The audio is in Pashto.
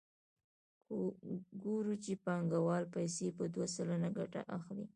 ګورو چې بانکوال پیسې په دوه سلنه ګټه اخلي